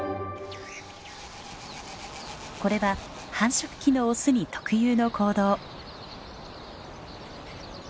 これは繁殖期のオスに特有の行動。